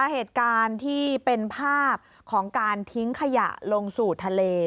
เหตุการณ์ที่เป็นภาพของการทิ้งขยะลงสู่ทะเล